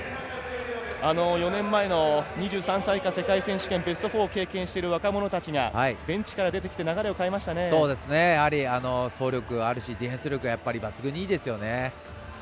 ４年前の２３歳以下世界選手権ベスト４を経験している若者たちがベンチから出てきて走力があるしディフェンス力が抜群にいいですよね。